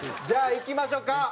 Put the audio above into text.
じゃあいきましょうか。